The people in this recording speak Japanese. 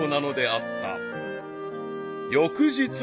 ［翌日］